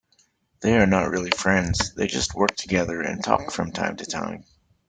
They are not really friends, they just work together and talk from time to time.